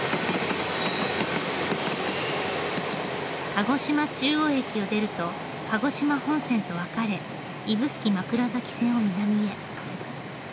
鹿児島中央駅を出ると鹿児島本線と分かれ指宿枕崎線を南へ。